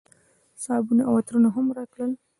صابون او عطرونه هم راکړل.